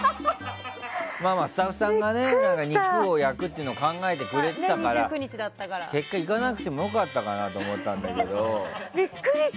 スタッフさんが肉を焼くというのを考えてくれていたから結果、行かなくても良かったかなと思ったんだけど。